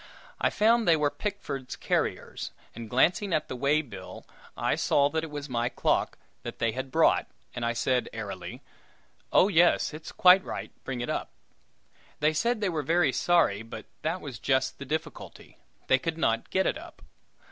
I found they were Pickford's carriers, and glancing at the way bill, I saw that it was my clock that they had brought, and I said, airily, "Oh, yes, it's quite right; bring it up!" They said they were very sorry, but that was just the difficulty. They could not get it up.